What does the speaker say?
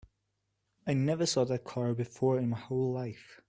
I never saw that car before in my whole life.